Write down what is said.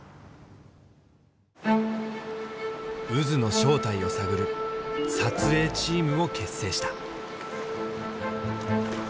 渦の正体を探る撮影チームを結成した。